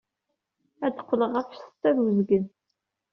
Ad qqleɣ ɣef ssetta ed wezgen.